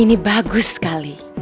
ini bagus sekali